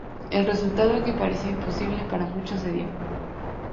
El resultado que parecía imposible para muchos, se dio.